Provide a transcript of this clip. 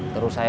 terus saya mau